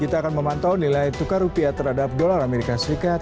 kita akan memantau nilai tukar rupiah terhadap dolar amerika serikat